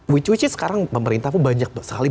which is sekarang pemerintah banyak sekali